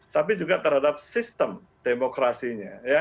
tapi juga terhadap sistem demokrasinya